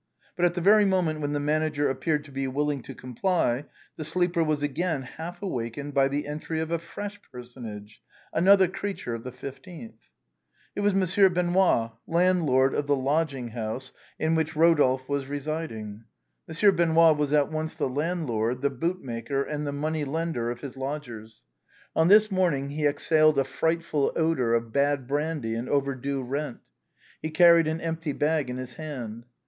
But at the very moment when the manager appeared to be willing to comply the sleeper was again half awakened by the entry of a fresh personage, another creature of the 15th. It was Monsieur Benoît, landlord of the lodging house in which Kodolphe was residing. Monsieur Benoît was at once the landlord, the bootmaker and the money lender of his lodgers. On this morning he exhaled a frightful odor of bad brandy and over due rent. He carried an empty bag in his hand.